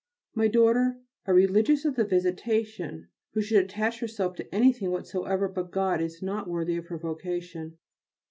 My daughter, a Religious of the Visitation who should attach herself to anything whatsoever but God is not worthy of her vocation.